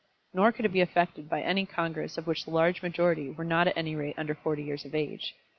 Nor could it be effected by any congress of which the large majority were not at any rate under forty years of age.